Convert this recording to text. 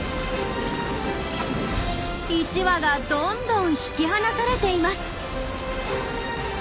１羽がどんどん引き離されています。